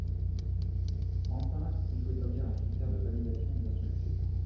Enfin, il faut établir un critère de validation de la structure.